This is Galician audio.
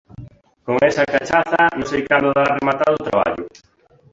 Con esa cachaza non sei cando dará rematado o traballo.